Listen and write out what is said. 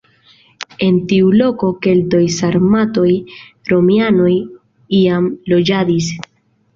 En tiu loko keltoj, sarmatoj, romianoj jam loĝadis.